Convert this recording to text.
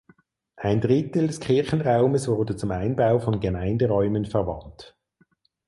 Ein Drittel des Kirchenraumes wurde zum Einbau von Gemeinderäumen verwandt.